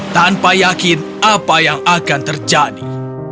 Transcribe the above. tanpa yakin apa yang akan terjadi